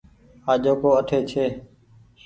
آجو ڪو اٺي ڇي ۔